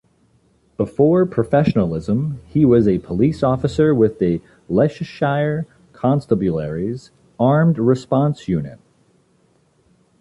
Before professionalism, he was a police officer with the Leicestershire Constabulary's armed response unit.